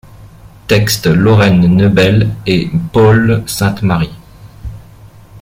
Textes: Lorraine Nebel et Paule Sainte-Marie.